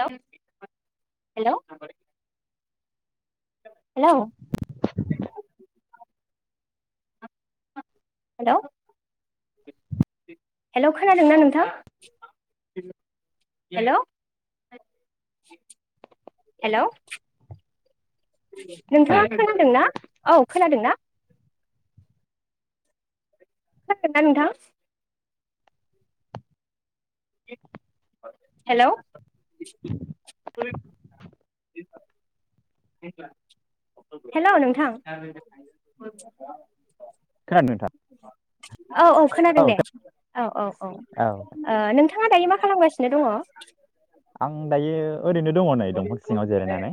Hello hello hello hello hello खोनादोंना नोंथां hello hello hello नोंथाङा खोनादोंना औ खोनादों ना खोनादोंना नोंथां हेलौ [inaudible] [inaudible] हेलौ नोंथां। खोनादों नोंथां औ औ खोनादों दे औ औ औ ओ औ नोंथाङा दायो मा खालामगासिनो दङ। आं दायो ओरैनो दङ नै दंफां सिङाव जिरायनानै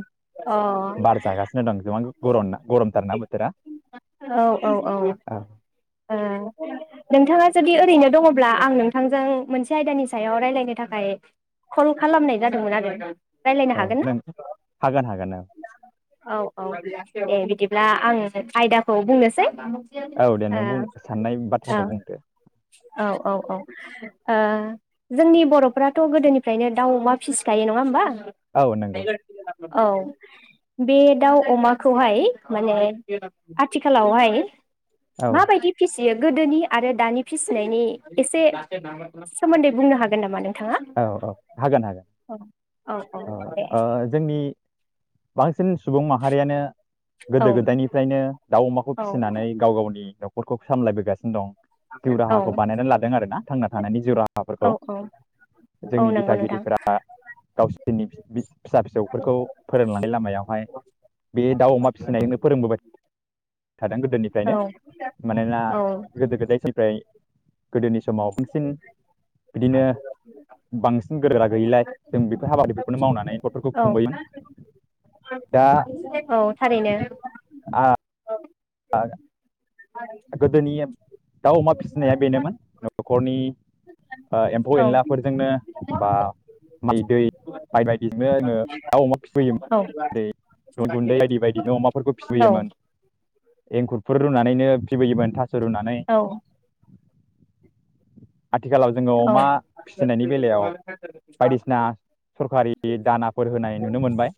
औ बार जागासिनो दं गोबां गरम गरमथारना बोथोरा औ ओ औ। नोंथाङा जुदि ओरैनो दङब्ला आं नोंथांजों मोनसे आयदानि सायाव रायजलायनो थाखाय कल खालामनाय जादोंमोन आरो। रायलायनो औ हागोन ना नों हागोन हागोन औ। औ औ दे बिदिब्ला आङो आयदाखौ बुंनोसै । ओ औ दे नों बुं साननाय औ बाथ्राखौ बुंदो औ औ औ। ओ जोंनि बर'फ्राथ' गोदोनिफ्रायनो दाउ अमा फिसिखायो नङा होमबा। औ नंगौ [unintelligible] औ बे दाउ अमाखौहाय माने आथिखालावहाय औ माबायदि फिसि बियो गोदोनि आरो दानि फिसिनायनि एसे सोमोन्दै बुंनो हागोन नामा नों औ औ हागोन हागोन। औ अ औ दे अ जोंनि बांसिन सुबुं माहारियानो गोदो औ गोदायनिफ्रायनो दाउ अमाखौ औ फिसिनानै गाव गावनि नख'रखौ सामलायबोगासिनो दं। जिउ औ राहाखौ बानायना लादों आरो ना थांना थानायनि जिउ औ राहाफोरखौ औ जोंनि नंगौ नोंथां दिथागिरिफ्रा गावसि [unintelligible] फिसा फिसौफोरखौ फोरोंलांनाय लामायावहाय बे दाउ अमा फिसिनायखौनो फोरोंबोबाय थादों औ गोदोनिफ्रायनो मानोना औ गोदो गोदायनिफ्राय गोदो नि समाव बांसिन बिदिनो बांसिन गोरा गैयिलाय जों बेफोर हाबाफोरखौनो मावनानै नख'रखौ औ खुंबोयोमोन। दा औ थारैनो। आ आ गोदोनि दाउ अमा फिसिनाया बेनोमोन न'खरनि ओ एम्फौ औ एनलाफोरजोंनो बा माइ दै माइ बायदिजोंनो आङो दाउ अमा फिसियोमोन औ रै गुन्दै बायदि बायदिजोंनो अमाफोरखौ औ फिसियोमोन। एंखुरफोर रुनानैनो [unintelligible] रुनानै आथिखालाव जोङो औ अमा फिसिनायनि बेलायाव बायदिसिना सरखारि दानाफोर होनाय नुनो मोनबाय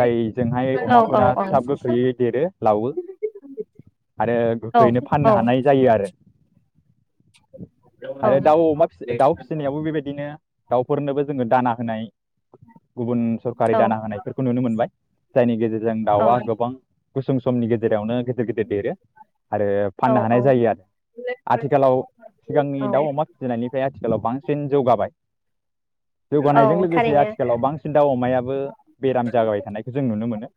जायजोंहाय अमाफोरा थ थाब गोख्रोयै देरो लावो। आरो औ गोख्रैयैनो औ फाननो हानाय जायो आरो। औ आरो दाउ अमा फिसि दाउ फिसिनायाबो बेबायदिनो दाउफोरनोबो जोङो दाना होनाय गुबुन औ सरखारि दाना होनायफोरखौ नुनो मोनबाय जायनि गेजेरजों दाउआ गोबां गुसुं समनि गेजेरावनो गे देरो आरो औ फाननो हानाय जायो आरो आथिखालाव औ सिगांनि दाउ अमा फिसिनायनिफ्राय आथिखालाव बांसिन जौगाबाय। औ जौगानायजों लोगोसे थारैनो आथिखालाव बांसिन दाउ अमायाबो बेराम जाबाय थानायखौ जों नुनो मोनो।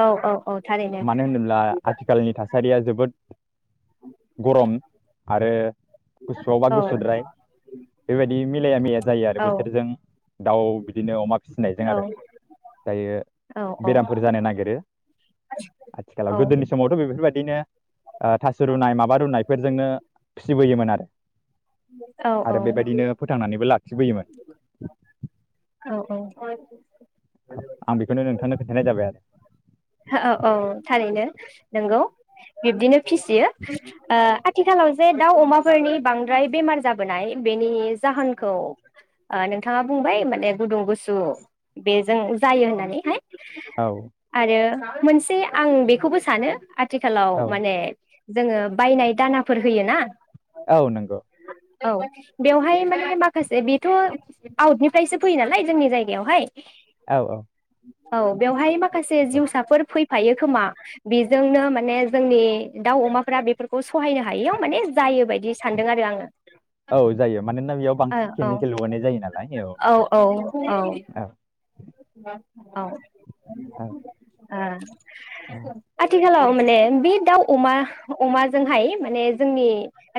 औ औ औ थारैनो मानो होनोब्ला आथिखालनि थासारिया जोबोद गरम आरो गुसुआवबा औ गुसुद्राय बेबायदि मिलाया मिलाया जायो औ आरो बोथोरजों दाउ बिदिनो अमा फिसिनायजों औ आरो दायो औ बेरामफोर जानो नागिरो आथिखालाव औ गोदोनि बेफोरबायदिनो थास' रुनाय माबा रुनायफोरजोंनो फिबोयोमोन आरो। आरो औ बेबायदिनो फोथांनानैबो लाखिबोयोमोन औ औ औ आं बेखौनो नोंथांनो खोन्थानाय जाबाय आरो। हो औ औ थारैनो नोंगौ बिब्दिनो फिसियो ओ आ आथिखालाव जे दाउ अमाफोरनि बांद्राय बेमार जाबोनाय बेनि जाहोनखौ ओ नोंथाङा बुंबाय माने गुदुं गुसु बेजों जायो होननानैहाय। औ ओ मोनसे आं बेखौबो सानो आ आथिखालाव माने औ जोङो बायनाय दानाफोर होयो ना? औ नंगौ। औ बेवहाय माने माखासे बेथ' आउटनिफ्रायसो फैयो नालाय जोंनि जायगायावहाय औ औ औ बेवहाय मा माखासे नंगौ जिउसाफोर फै होफायो खोमा बेजोंनो माने जोंनि दाउ अमाफोरा बेफोरखौ सहायनो हायियाव माने जायो बाय औ जायो मानोना बेयाव बांसिन आङो केमिकेल लगायनाय जायो नालाय औ नंगौ औ। औ औ आ औ आथिखालाव माने बे दाउ अमा अमाजोंहाय माने जोंनि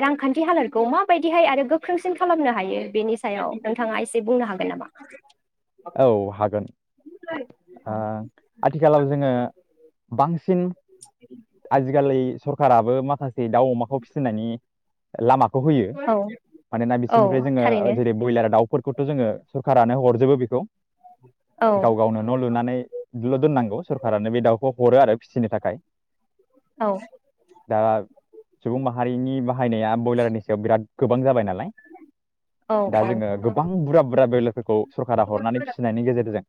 रांखान्थि हालोदखौ माबायदिहाय आरो गोख्रोंसिन खालामनो हायो बेनि सायाव नोंथाङा एसे बुंनो हागोन नामा? औ आ आथिखालाव जोङो बां सिन आजिखालि सरकाराबो माखासे दाउ अमाखौ फिसिनानै लामाखौ होयो औ मानोना औ बिसोरनिफ्राय जोङो थारैनो जेरै ब्रयलार दाउ फोरखौथ' जोङो सरखारानो हरजोबो बे औ गाव गावनो न' लुनानैल' दोननांगौ सरखारानो बे दाउखौ हरो आरो फिसिनो थाखाय औ [unintelligible] सुबुं माहारिनि बाहायनाया ब्रयलारनि सायाव बिराद गोबां जाबाय नालाय औ दा औ जोङो गोबां बुरा बुरा ब्रयलारफोरखौ हरनानै फिसिनायनि गेजेरजों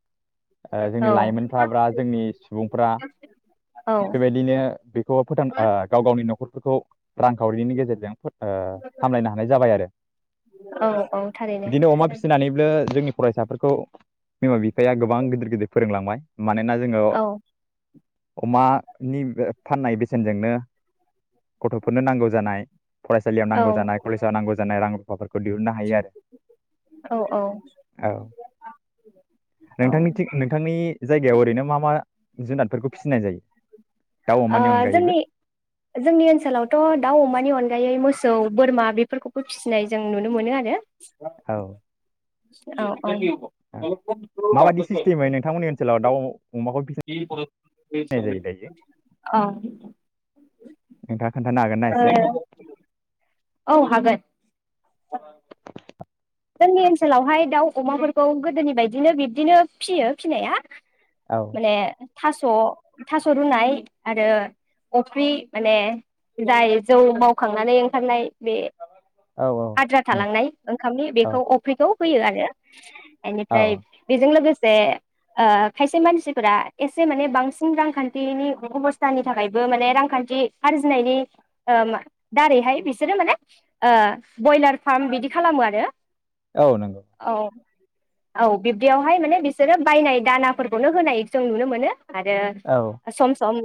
जोंनि औ लाइमोनफोरा बा जोंनि सुबुंफ्रा औ बेबायदिनो बेखौ फोथां गाव गावनि न'खरफोरखौ रांखावरिनि गेजेरजों सामलायनो हानाय जाबाय आरो औ औ थारैनो बिदिनो अमा फिसिनानैबो जोंनि फरायसाफोरखौ बिमा बिफाया गोबां गिदिर गिदिर फोरोंलांबाय मानोना जोङो औ अमानि फाननाय बेसेनजोंनो गथ'फोरनो नांगौ जानाय फरायसालियाव औ नांगौ जानाय कलेजाव नांगौ जानाय। जानाय रां रुफाफोरखौ दिहुननो हायो आरो औ औ औ नोंथांनि नोंथांनि जायगायाव ओरैनो मा मा जुनादफोरखौ फिसिनाय जायो दाउ अमानि अनगायैबो जोंनि जोंनि ओनसोलावथ' दाउ अमानि अनगायै मोसौ सौ बोरमा बेफोरखौबो फिसिनाय जों नुनो मोनो आरो। औ औ माबायदि सिस्टेमै नोंथांमोननि ओनसोलाव दाउ अमाखौ फिसिनाय जायो दायो [unintelligible] नोंथाङा औ हागोन ना एसे औ हागोन जोंनि ओनसोलावहाय दाउ अमाफोरखौ गोदोनि बायदिनो बिब्दिनो फिसियो फिसिनाया औ माने थास' थास' रुनाय आरो अफ्रि माने जाय जौ मावखांनानै ओंखारनाय बे औ आद्रा थालांनाय ओंखामनि बे औ अफ्रिखौ फैयो आरो औ आइनिफ्राय बिजों लोगोसे जे ओ खायसे मानसिफोरा एसे माने बांसिन रांखान्थिनि अबस्थानि थाखायबो माने रांखान्थि आरजिनायनि ओ मा दारैहाय बिसोरो माने ओ बयलार फार्म बिदि खालामो आरो औ नंगौ औ औ बिब्दियावहाय माने बिसोरो बायनाय दानाफोरखौनो होनाय जों नुनो मोनो आरो औ सम सम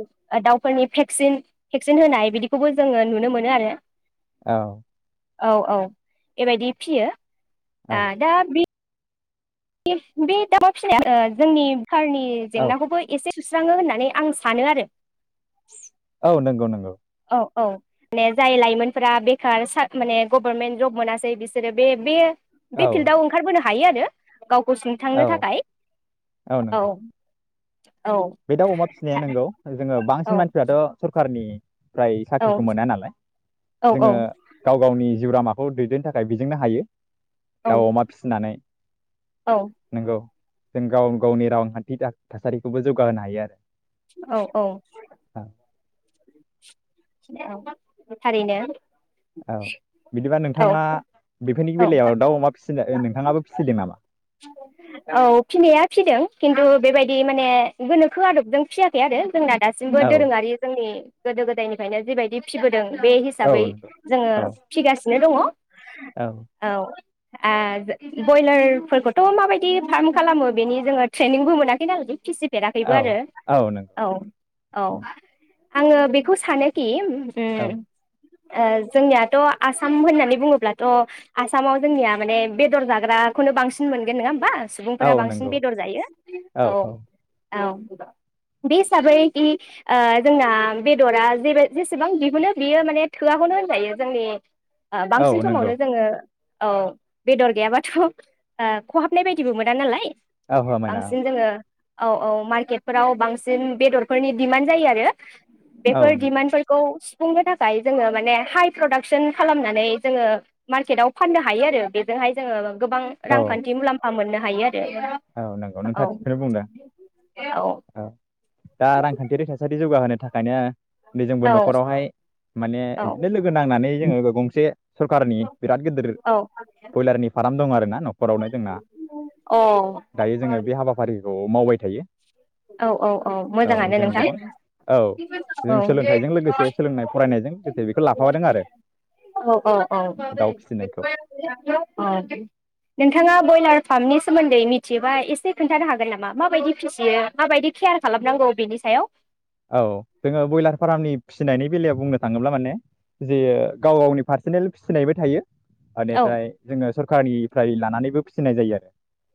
दावउफोरनि भेक्सिन भेक्सिन होनाय बिदिखौबो जोङो नुनो मोनो आरो औ औ औ बेबायदि फियो औ आ दा बि बे दाउ फिसाया ओ जोंनि खारनि औ जेंनाखौबो एसे सुस्राङो होननानै आं सानो आरो नोंगौ नोंगौ औ माने जाय लाइमोनफोरा बेखार माने गभर्मेन्ट जब मोनासै बिसोरो बे बे बे औ फिल्डआव ओंखारबोनो हा हायो आरो गावखौ औ सुंथांनो थाखाय औ औ बे दाउ अमा फिसिनाया नोंगौ जोङो औ बांसिन मानसिफ्राथ' सरखारनि फ्राय औ साख्रिखौ मोना नालाय जोङो औ गाव गावनि जिउ लामाखौ दैदेननो थाखाय बिजोंनो हायो दाउ अमा फिसिनानै औ नोंगौ जों गाव गावनि रांखान्थि थासारिखौबो जौग गा होनो हायो आरो औ औ थारैनो औ बिदिबा औ नोंथाङा बेफोरनि औ बेलायाव दाउ अमा फिसिनो नोंथाङाबो फिसिदों नामा औ फिनाया फिदों खिन्थु बेबायदि माने गोनोखो आदबजों फियाखै आरो जोंना दासिमबो औ दोरोङारि जोंनि गोदो गदायनि फ्रायनो जिबायदि फिबोदों बे हिसाबै औ नंगौ जोङो फिगासि सिनो दङ औ ओ बयलारफोरखौथ' माबायदि फार्म खालामो बेनि जोङो ट्रेनिंबो मोनाखै नालाय फिसि फेराखैबो औ आरो औ औ आङो बेखौ सानो खि उम औ ओ जोंनियाथ' आसाम होननानै बुङोब्लाथ' आसामाव जोंनिया माने बेदर जाग्राखौनो बांसिन मोनगोन नङा होमबा सुबुंफोरा औ बांसिन नंगौ बेदर जायो औ औ बे हिसाबै उम ओ जोंना बेदरा जेबाय जेसेबां दिहुनो बियो माने थोआखौनो होनजायो जोंनि ओ बांसिन औ नंगौ समावनो जोङो औ बेदर गैयाबाथ' ओ खहाबनाय बायदिबो मोना नालाय औ होमायना औ बांसिन जोङो औ औ मार्केटफोराव बांसिन बेदरफोरनि दिमान्ड जायो आरो औ बेफोर नंगौ दिमान्दफोर खौ सुफुंनो थाखाय जोङो माने हाइ प्रदाकसन खालामनानै जोङो मार्केटाव फाननो हायो आरो बेजोंहाय जोङो गोबां औ रांखान्थि मुलाम्फा मोननो हा हायो आ औ नंगौ नोंथा थिखखौनो बुंदों औ दा रांखान्थियारि थासारि जौगाहोनो थाखाय नो नै जोंबो औ न'खरावहाय माने औ बिदिनो लोगो नांनानै जोङो गंसे सरखारनि बिराद गिदिर औ बयलारनि फाराम दं आरो ना न'खरावनो जोंना अ दायो जोङो बे हाबाफारि खौ मावबाय थायो औ औ औ मोजाङानो जों नोंथां गोबां औ जों औ सोलोंथाइजों लोगोसे सोलोंनाय फरायनायजों लोगोसे बेखौ लाफाबादों आरो औ औ दाउ फिसिनायखौ औ औ नोंथाङा बयलार फार्मनि सोमोन्दै मिथियोबा एसे खोन्थानो हागोन नामा माबायदि फिसियो माबायदि केयार खालामनांगौ बेनि सायाव औ जोङो ब्यलार फारामनि फि फिनायनि बेलायाव बुंनो थाङोब्ला माने जे गाव गावनि पार्सनेल फिसिनायबो थायो। औ ओनिफ्राय जोङो सर कारनिफ्राय लानानैबो फिसिनाय जायो आरो।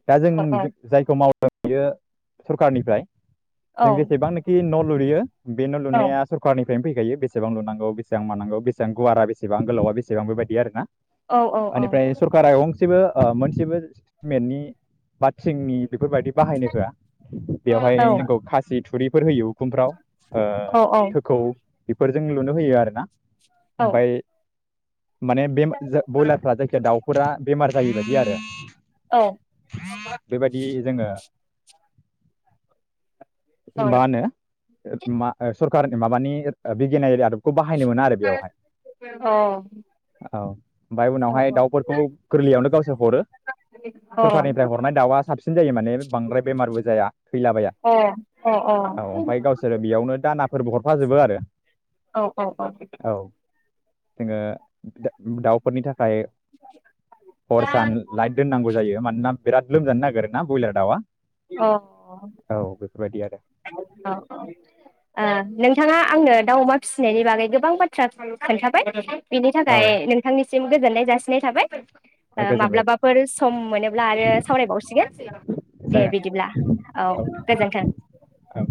दा जों औ औ जायखौ माव [unintelligible] बियो सरखारनिफ्राय जों जेसेबांनोखि न [unintelligible] बेनो न' औ लुनाया सरखारनि। फ्रेयानो फैखायो बेसेबां लुनांगौ बेसेबां मानांगौ बेसें गुवारा बेसेबां गोलावा बेसेबां बेबायदि आरो ना। औ औ औ ओनिफ्राय सरखारा अं सेबो ओ मोनसेबो सिमेन्टनि बा थिंनि बेफोरबायदि बाहायनो होआ बेवहाय जोंखौ खासि थुरिफोर होयो। उखुमफ्राव। ओ औ थोखौ बेफोरजों लुनो होयो आरो ना। औ ओमफाय माने बे जो बयलारफ्रा जायखिया दाउफोरा बेमार जायैबायदि आरो। बेबायदि जोङो मा होनो? ओ मा ओ सरखारनि माबानि ओ बिगियानारि आदबखौ बाहायनो मोना आरो अ बेयावहाय अ अ औ ओमफाय उनावहाय दाउफोरखौ गोरलैयावनो गावसोर हरो सरखारनिफ्राय हरनाय दाउआ साबसिन जायो माने बांद्राय बेमारबो जाया थैलाबाया औ। गावसोरो बेयावनो दानाफोरबो हरफाजोबो आरो। औ जोङो दा दाउफोरनि थाखा फ्राय हर सान लाइट दोननांगौ जायो मानोना बिराद लोमजानो नागिरो। ना बयलार दाउआ? औ बेफोरबायदि आरो। [unintelligible] ओ नोंथाङा आंनो दाउ अमा फिसिनायनि बागै गोबां बाथ्रा खोन्थाबाय। बिनि थाखाय औ नोंथांनिसिम गोजोननाय जासिनाय थाबाय। ओ गोजोनबाय दे माब्लाबाफोर सम मोनोब्ला आरो सावरायबावसिगोन दे जागोन बिदिब्ला औ गोजोन्थों। औ।